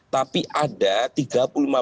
tapi ada tiga puluh lima orang